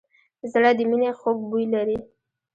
زړه د مینې خوږ بوی لري.